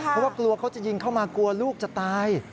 เพราะว่ากลัวเขาจะยิงเข้ามากลัวลูกจะตาย